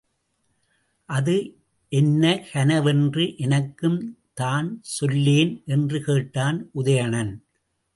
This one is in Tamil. அது என்ன கனவென்று எனக்கும் தான் சொல்லேன் என்று கேட்டான் உதயணன்.